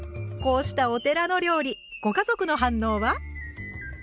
こうしたお寺の料理ご家族の反応は？